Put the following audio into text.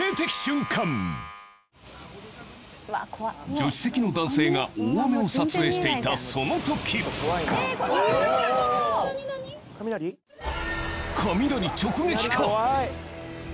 助手席の男性が大雨を撮影していたその時直撃か⁉